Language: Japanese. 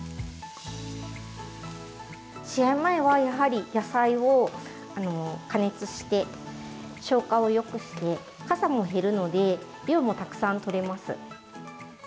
試合前は野菜を加熱して消化をよくしてかさも減るので量もたくさんとれます。